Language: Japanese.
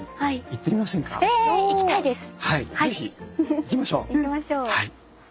行きましょう。